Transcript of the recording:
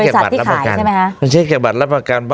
ก็ไปเช็คผลักษณ์ของบริษัทที่ขายเขาเช็คแกะบัตรรับประกัน